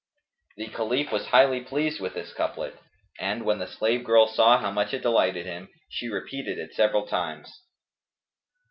The Caliph was highly pleased with this couplet and, when the slave girl saw how much it delighted him, she repeated it several times.